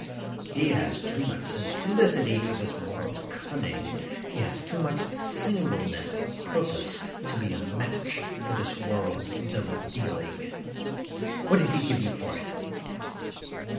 He has too much simplicity for this world's cunning. He has too much singleness of purpose to be a match for this world's double dealing. What did he give you for it?